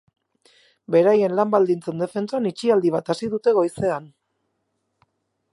Beraien lan-baldintzen defentsan itxialdi bat hasi dute goizean.